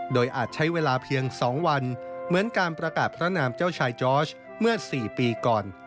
โดยอาจใช้เวลาเพียง๒วันเหมือนการประกาศพระนามเจ้าชายจอร์ชเมื่อ๔ปีก่อน